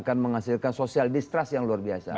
dan menghasilkan social distrust yang luar biasa